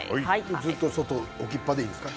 ずっと外に置きっぱなしでいいんですか？